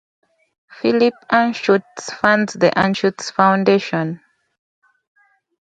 Phillip Anschutz funds the Anschutz Foundation.